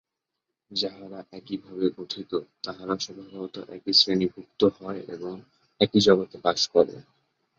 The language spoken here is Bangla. যাহারা একইভাবে গঠিত, তাহারা স্বভাবত একই শ্রেণীভুক্ত হয় এবং একই জগতে বাস করে।